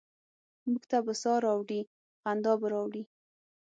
موږ ته به سا ه راوړي، خندا به راوړي؟